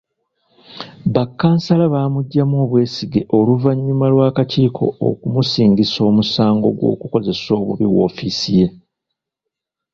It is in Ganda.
Bakkansala baamuggyamu obwesige oluvannyuma lw’akakiiko okumusingisa omusango gw’okukozesa obubi woofiisi ye.